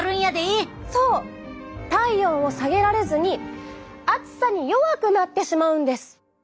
そう体温を下げられずに暑さに弱くなってしまうんです。